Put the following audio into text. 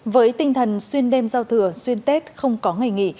với tinh thần xuyên đêm giao thừa xuyên tết không có ngày nghỉ